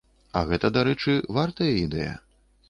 А гэта, дарэчы, вартая ідэя.